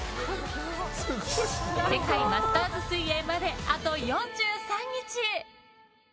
世界マスターズ水泳まであと４３日。